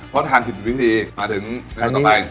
เพราะทาน๑๐วิธีมาถึงเมนูต่อไป